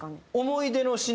思い出の品。